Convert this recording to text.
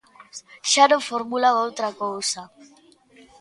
Xa non formulan outra cousa.